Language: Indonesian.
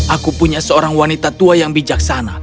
aku punya seorang wanita tua yang bijaksana